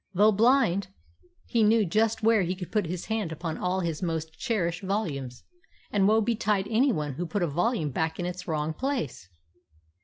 Though blind, he knew just where he could put his hand upon all his most cherished volumes, and woe betide any one who put a volume back in its wrong place!